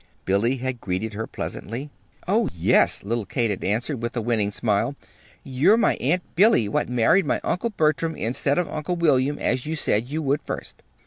Billy had greeted her pleasantly. "Oh, yes," little Kate had answered, with a winning smile. "You're my Aunt Billy what married my Uncle Bertram instead of Uncle William as you said you would first."